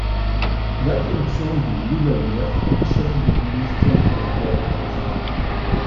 L’adjonction d’une nouvelle nef achève l'église telle qu’on la voit aujourd’hui.